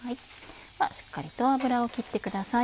しっかりと油を切ってください。